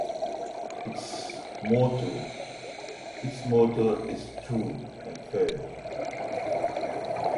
Its motto is "True and Fair".